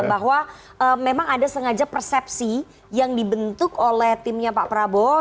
bahwa memang ada sengaja persepsi yang dibentuk oleh timnya pak prabowo